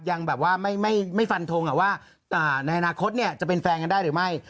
ยังแบบว่าไม่ฟันทงว่าในอนาคตจะเป็นแฟนกันได้หรือไม่